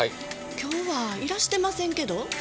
今日はいらしてませんけど？